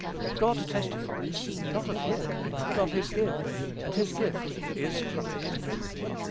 God testifies, not of him, but of his gift, and his gift is Christ.